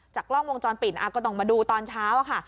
จากกล้องวงจรปินอักบันดูตอนเช้าค่ะ